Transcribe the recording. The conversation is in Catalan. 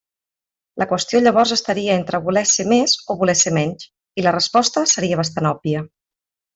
La qüestió llavors estaria entre voler ser més o voler ser menys, i la resposta seria bastant òbvia.